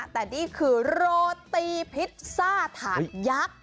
แต่นี่คือโรตีพิซซ่าถาดยักษ์